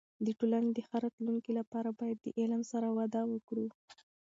د ټولنې د ښه راتلونکي لپاره باید د علم سره وده وکړو.